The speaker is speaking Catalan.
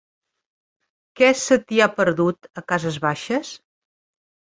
Què se t'hi ha perdut, a Cases Baixes?